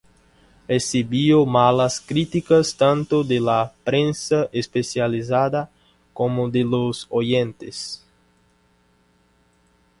Recibió malas críticas tanto de la prensa especializada como de los oyentes.